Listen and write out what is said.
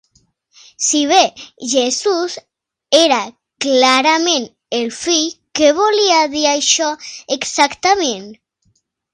Si bé Jesús era clarament el Fill, què volia dir això exactament?